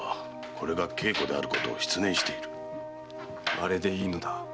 あれでいいのだ。